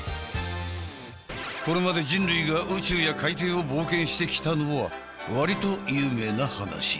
これまで人類が宇宙や海底を冒険してきたのは割と有名な話。